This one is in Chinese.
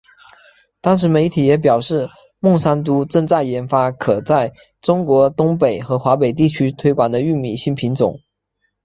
当时媒体也表示孟山都正在研发可在中国东北和华北地区推广的玉米新品种。